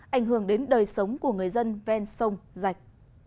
ảnh hưởng đến đời sống của người dân ven sông dạch